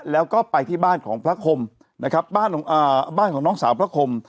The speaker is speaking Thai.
แล้วก็ไปที่บ้านของพระคมนะครับบ้านของอ่าบ้านของน้องสาวพระคม